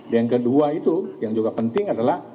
yang kedua itu yang juga penting adalah